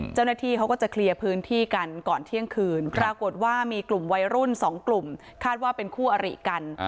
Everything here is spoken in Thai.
เจ้าหน้าที่เขาก็จะเคลียร์พื้นที่กันก่อนเที่ยงคืนปรากฏว่ามีกลุ่มวัยรุ่น๒กลุ่มคาดว่าเป็นคู่อริกัน